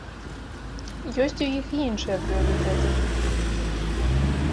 Ёсць у іх і іншыя прыярытэты.